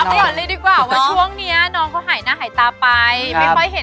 คือมีสาว